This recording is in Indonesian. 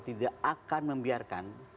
tidak akan membiarkan